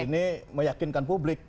ini meyakinkan publik